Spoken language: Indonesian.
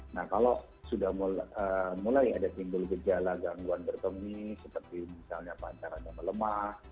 nah kalau sudah mulai ada simbol gejala gangguan berkemi seperti misalnya pacarannya melemah